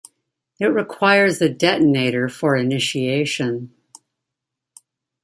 It requires a detonator for initiation.